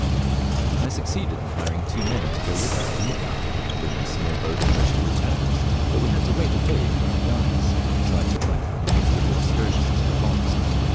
I succeeded in hiring two men to go with us to Muka, bringing a small boat in which to return; but we had to wait a day for our guides, so I took my gun and made a little excursion info the forest.